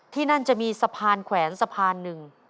ที่นั่นจะมีสะพานแขวนสะพานหนึ่ง